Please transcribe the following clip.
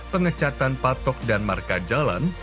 pengecatan patok dan marka jalan